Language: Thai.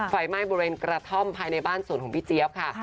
ไฟไหม้บริเวณกระท่อมภายในบ้านส่วนของพี่เจี๊ยบค่ะ